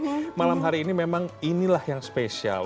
jadi malam hari ini memang inilah yang spesial